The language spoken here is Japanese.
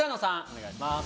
お願いします。